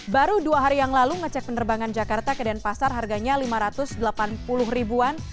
baru dua hari yang lalu ngecek penerbangan jakarta ke denpasar harganya lima ratus delapan puluh ribuan